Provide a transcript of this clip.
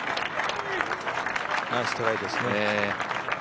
ナイストライですね。